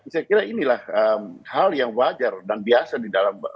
saya kira inilah hal yang wajar dan biasa di dalam